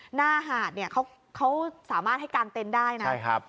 หน้าหาดเนี่ยเขาสามารถให้กางเต็นต์ได้นะใช่ครับ